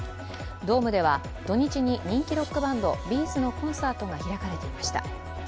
ドームでは土日に人気ロックバンドＢ’ｚのコンサートが開かれていました。